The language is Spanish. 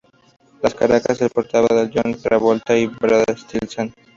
Las caras en la portada son de John Travolta y Barbra Streisand.